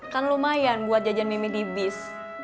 kan lumayan buat jajan mimi dibis